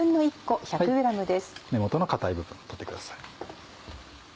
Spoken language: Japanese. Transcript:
根元の硬い部分取ってください。